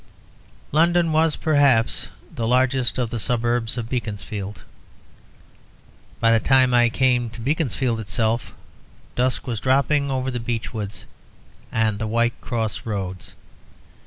London was perhaps the largest of the suburbs of Beaconsfield. By the time I came to Beaconsfield itself, dusk was dropping over the beechwoods and the white cross roads.